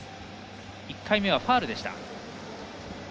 １回目はファウルでした。